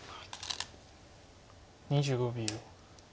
２５秒。